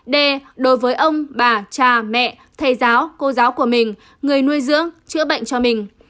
d đối với ông bà cha mẹ thầy giáo cô giáo của mình người nuôi dưỡng chữa bệnh cho mình